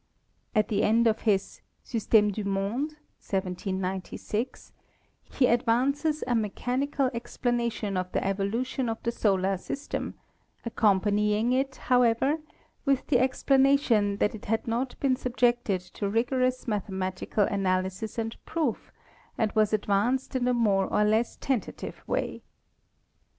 At the end of his "Systeme du Monde" (1796) he advances a mechanical explanation of the evolution of the solar system, accompanying it, however, with the explana COSMOGONY AND STELLAR EVOLUTION 311 tion that it had not been subjected to rigorous mathemati cal analysis and proof and v/as advanced in a more or less tentative way.